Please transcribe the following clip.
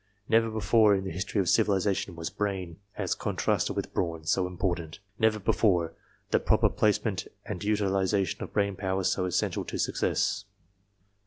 Neve? before in the history of civilization was brain, as contrasted with brawn, so important; never before, the proper placement and utilization of brain power so essential to success.